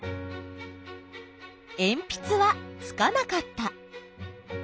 えんぴつはつかなかった。